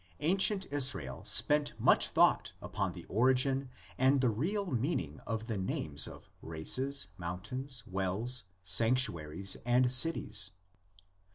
Ancient Israel spent much thought upon the origin and the real meaning of the names of races, mountains, wells, sanctuaries, and cities.